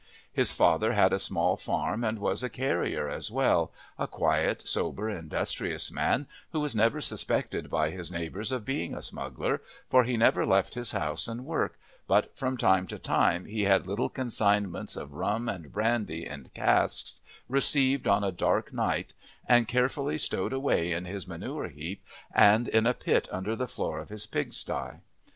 His father had a small farm and was a carrier as well, a quiet, sober, industrious man who was never suspected by his neighbours of being a smuggler, for he never left his house and work, but from time to time he had little consignments of rum and brandy in casks received on a dark night and carefully stowed away in his manure heap and in a pit under the floor of his pigsty.